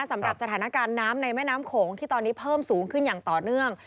สำหรับสถานการณ์น้ำในแม่น้ำโขงที่ตอนนี้เพิ่มสูงขึ้นอย่างต่อเนื่อง